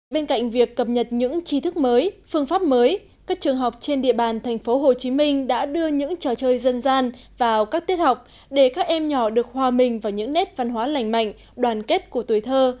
bên cạnh việc cập nhật những trí thức mới phương pháp mới các trường học trên địa bàn thành phố hồ chí minh đã đưa những trò chơi dân gian vào các tiết học để các em nhỏ được hòa mình vào những nét văn hóa lành mạnh đoàn kết của tuổi thơ